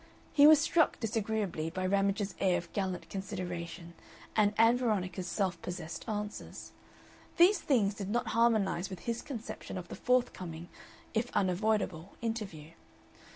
He was struck disagreeably by Ramage's air of gallant consideration and Ann Veronica's self possessed answers. These things did not harmonize with his conception of the forthcoming (if unavoidable) interview.